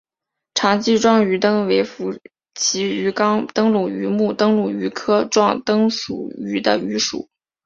长鳍壮灯鱼为辐鳍鱼纲灯笼鱼目灯笼鱼科壮灯鱼属的鱼类。